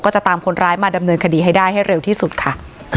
จะตามคนร้ายมาดำเนินคดีให้ได้ให้เร็วที่สุดค่ะ